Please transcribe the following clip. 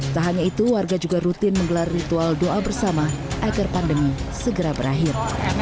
tak hanya itu warga juga rutin menggelar ritual doa bersama agar pandemi segera berakhir